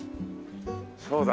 そうだ